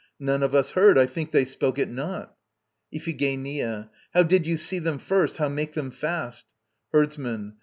None of us heard. I think they spoke it not. IPHIGENIA. How did ye see them first, how make them fast? HERDSMAN.